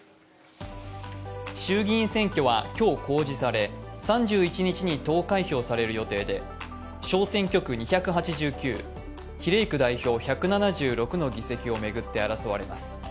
衆議院選挙は今日公示され、３１日に投開票される予定で小選挙区２８９、比例区代表１７６の議席を巡って争われます。